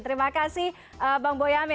terima kasih bang boyamin